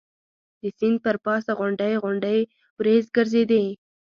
د سیند پر پاسه غونډۍ غونډۍ وریځ ګرځېدې.